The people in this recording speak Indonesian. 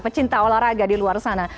pecinta olahraga di luar sana